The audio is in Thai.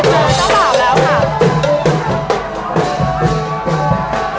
เจ้าบ่าวแล้วค่ะ